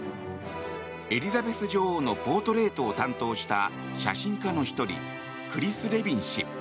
エリザベス女王のポートレートを担当した写真家の１人クリス・レヴィン氏。